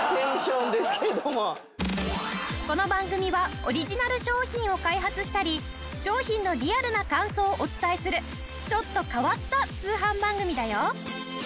この番組はオリジナル商品を開発したり商品のリアルな感想をお伝えするちょっと変わった通販番組だよ。